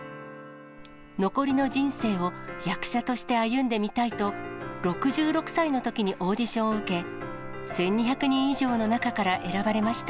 残りの人生を役者として歩んでみたいと、６６歳のときにオーディションを受け、１２００人以上の中から選ばれました。